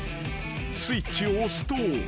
［スイッチを押すと］